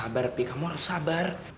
pipi kamu harus sabar